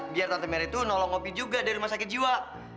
biar tante merah itu nolong ngopi juga dari rumah sakit jiwa